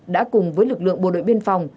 đã cùng với lực lượng bộ đội biên phòng